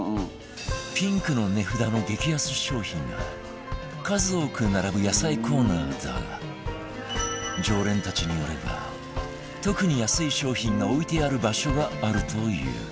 ピンクの値札の激安商品が数多く並ぶ野菜コーナーだが常連たちによれば特に安い商品が置いてある場所があるという